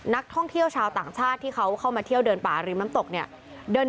นักท่องเที่ยวชาวต่างชาติที่เขาเข้ามาเที่ยวเดินป่าริมน้ำตกเนี่ย